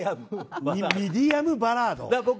ミディアムバラード。